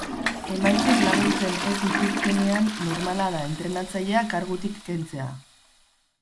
Emaitzek laguntzen ez dituztenean normala da entrenatzailea kargutik kentzea.